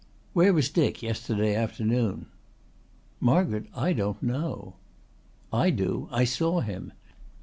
"Where was Dick yesterday afternoon?" "Margaret, I don't know." "I do. I saw him.